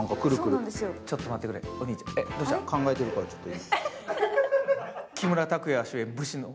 考えてるから、ちょっと。